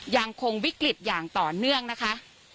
ยังคงวิกฤตอย่างต่อเนื่องนะคะ